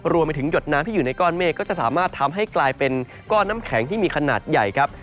รวมไปถึงหยดน้ำที่อยู่ในก้อนเมฆก็จะสามารถทำให้กลายเป็นก้อนน้ำแข็งที่มีขนาดใหญ่ครับ